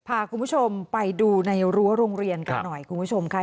พาคุณผู้ชมไปดูในรั้วโรงเรียนกันหน่อยคุณผู้ชมค่ะ